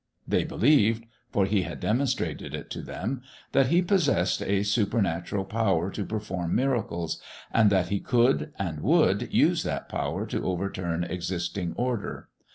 They believed (for He had demonstrated it to them) that He possessed a supernatural power to perform miracles, and that He could and would use that power to overturn existing order.